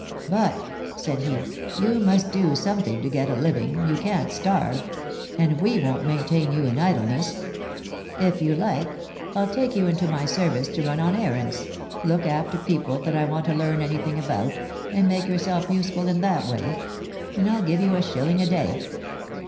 'But,' said he, 'you must do something to get a living: you can't starve; and we won't maintain you in idleness. If you like, I'll take you into my service to run on errands, look after people that I want to learn any thing about and make yourself useful in that way; and I'll give you a shilling a day.'